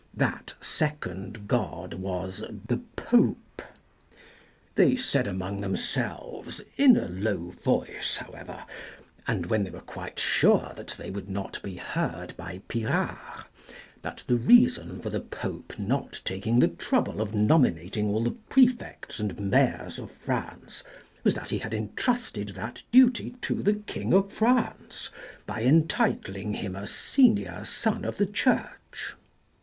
That second god was the Pope. They said among themselves, in a low voice, however, and when they were quite sure that they would not be heard by Pirard, that the reason for the Pope not taking the trouble of nominating all the prefects and mayors of France, was that he had entrusted that duty to the King of France by entitling him a senior son of the Church.